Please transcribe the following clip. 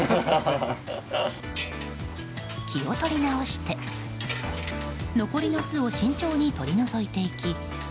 気を取り直して残りの巣を慎重に取り除いていき